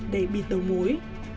để bị tẩu muối